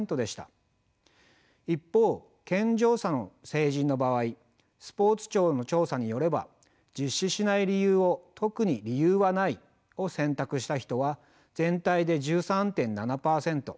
一方健常者の成人の場合スポーツ庁の調査によれば実施しない理由を特に理由はないを選択した人は全体で１３．７％。